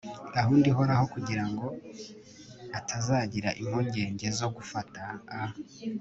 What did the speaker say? gahunda ihoraho kugirango atazagira impungenge zo gufata a